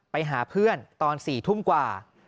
ไปหาเพื่อนตอน๔ทุ่มกว่า